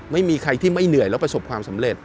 ไม่มีใครที่ไม่เหนื่อยแล้วประสบความสำเร็จ